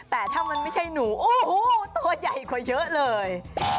แต่ถ้ามันไม่ใช่หนูโอ้โหตัวใหญ่กว่าเยอะเลย